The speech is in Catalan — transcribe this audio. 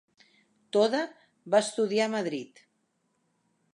Toda va estudiar a Madrid.